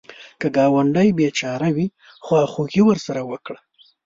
که ګاونډی بېچاره وي، خواخوږي ورسره وکړه